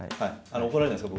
怒られないですか。